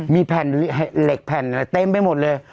มีแผ่นเหล็กแผ่นอะไรเต็มไปหมดเลย